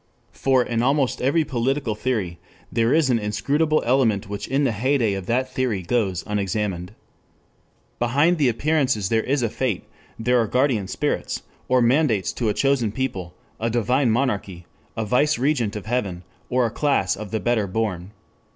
For in almost every political theory there is an inscrutable element which in the heyday of that theory goes unexamined. Behind the appearances there is a Fate, there are Guardian Spirits, or Mandates to a Chosen People, a Divine Monarchy, a Vice Regent of Heaven, or a Class of the Better Born.